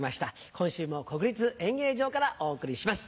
今週も国立演芸場からお送りします。